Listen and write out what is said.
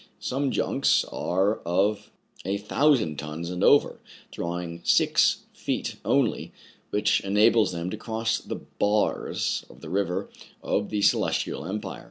Some junks are of a thousand tons and over, drawing six feet only, which enables them to cross the bars of the rivers of the Celestial Empire.